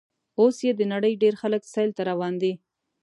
اوس یې د نړۍ ډېر خلک سیل ته روان دي.